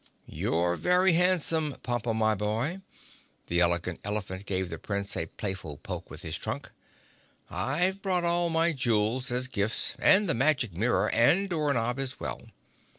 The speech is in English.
"You're very handsome, Pompa, my boy." The Elegant Elephant gave the Prince a playful poke with his trunk. "I've brought all my jewels as gifts and the magic mirror and door knob as well.